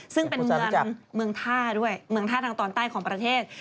ซึ่งเป็นเมืองท่าด้วยเมืองท่าทางตอนใต้ของประเทศ